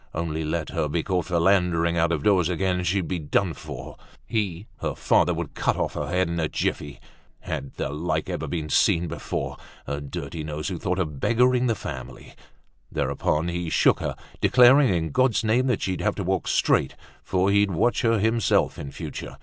Only let her be caught philandering out of doors again, she'd be done for; he, her father, would cut off her head in a jiffy. Had the like ever been seen before! A dirty nose who thought of beggaring her family! Thereupon he shook her, declaring in God's name that she'd have to walk straight, for he'd watch her himself in future.